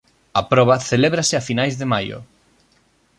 A proba celébrase a finais de maio.